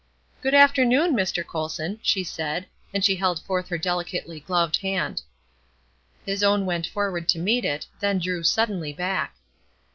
"Good afternoon, Mr. Colson," she said, and she held forth her delicately gloved hand. His own went forward to meet it; then drew suddenly back.